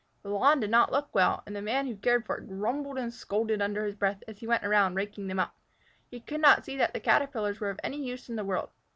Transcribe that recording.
The lawn did not look well, and the Man who cared for it grumbled and scolded under his breath as he went around raking them up. He could not see that the Caterpillars were of any use in the world.